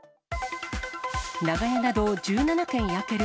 長屋など１７軒焼ける。